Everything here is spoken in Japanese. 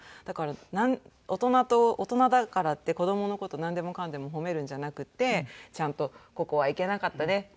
だから大人と大人だからって子どもの事なんでもかんでも褒めるんじゃなくてちゃんとここはいけなかったね